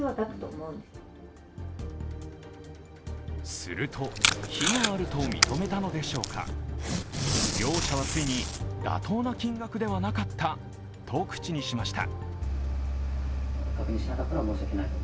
すると、非があると認めたのでしょうか、業者はついに、妥当な金額ではなかったと口にしました。